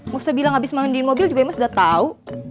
gak usah bilang abis mandiin mobil juga ya mas udah tau